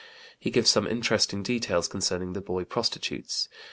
He gives some interesting details concerning the boy prostitutes.